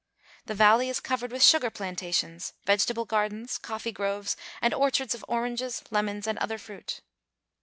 The valley is covered with sugar plantations, vegetable gardens, coffee groves, and orchards of oranges, lemons, and other fruit.